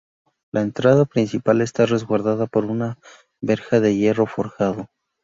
La entrada principal está resguardada por una verja de hierro forjado.